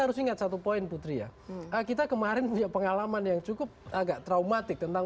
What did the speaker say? harus ingat satu poin putri ya kita kemarin punya pengalaman yang cukup agak traumatik tentang